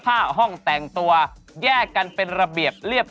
ตามแอฟผู้ชมห้องน้ำด้านนอกกันเลยดีกว่าครับ